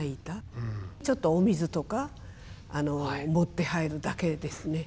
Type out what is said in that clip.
ちょっとお水とか持って入るだけですね。